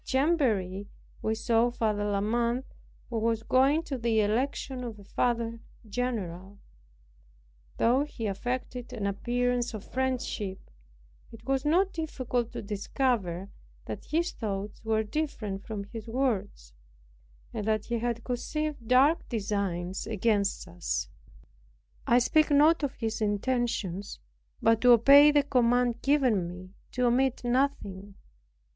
At Chamberry we saw Father La Mothe, who was going to the election of a Father general. Though he affected an appearance of friendship, it was not difficult to discover that his thoughts were different from his words, and that he conceived dark designs against us. I speak not of his intentions, but to obey the command given me to omit nothing.